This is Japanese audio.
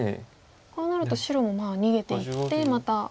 こうなると白も逃げていってまた。